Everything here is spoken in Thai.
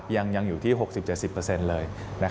ยังอยู่ที่๖๐๗๐เลย